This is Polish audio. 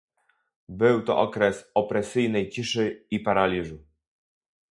Był to okres opresyjnej ciszy i paraliżu